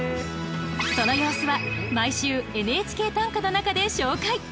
その様子は毎週「ＮＨＫ短歌」の中で紹介！